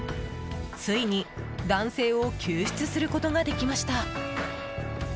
ついに男性を救出することができました。